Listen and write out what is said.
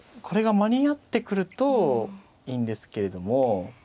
これが間に合ってくるといいんですけれども。